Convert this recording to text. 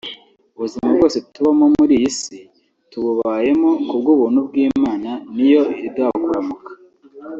Ubuzima bwose tubamo muri iyi si tububayeho ku bw’ubuntu bw’Imana niyo iduha kuramuka